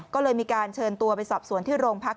ก็เลยมีการเชิญตัวไปสอบสวนที่โรงพัก